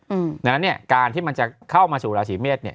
เพราะฉะนั้นเนี่ยการที่มันจะเข้ามาสู่ราศีเมษเนี่ย